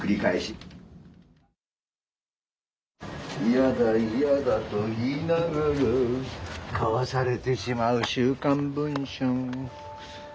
嫌だ嫌だと言いながら買わされてしまう「週刊文春」。